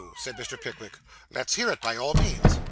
said Mr. Pickwick. 'Let us hear it, by all means.